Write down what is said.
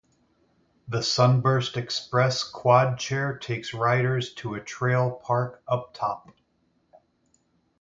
The Sunburst Express quad chair takes riders to a trail park up top.